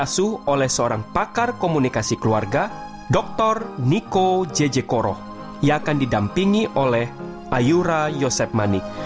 yang akan didampingi oleh ayura yosef manik